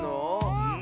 うん。